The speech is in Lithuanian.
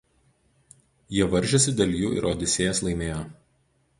Jie varžėsi dėl jų ir Odisėjas laimėjo.